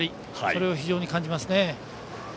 それを非常に感じますね。